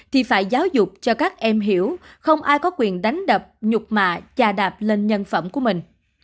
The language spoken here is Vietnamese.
thì phải giáo dục cho các em hiểu không ai có quyền đánh đập nhục mạ trà đạp lên nhân phẩm của mình